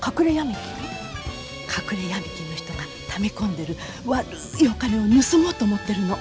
隠れヤミ金の人がため込んでる悪いお金を盗もうと思ってるの。